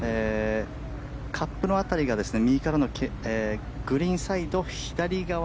カップの辺りが右からの、グリーンサイド左側